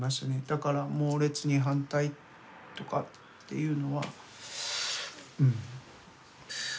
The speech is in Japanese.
だから猛烈に反対とかっていうのは。